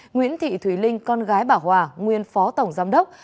nguyễn thị thùy linh con gái bảo hòa nguyên phó tổng giám đốc